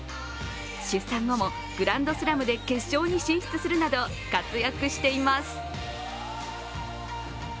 出産後もグランドスラムで決勝に進出するなど活躍しています。